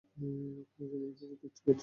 কেন জানি খেতে ইচ্ছা করছে না।